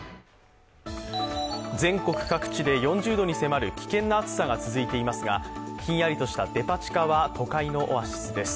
全国各地で４０度に迫る危険な暑さが続いておりますがひんやりとしたデパ地下は都会のオアシスです。